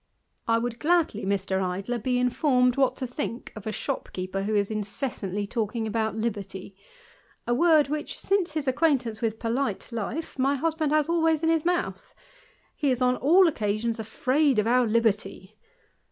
I would gladly, Mr. Idler, be informed what to think of a shopkeeper who is incessantly talking about liberty ; a word which, since his acquaintance with polite life, my husband has always in his mouth : he is on all occasions afraid oi our liberty.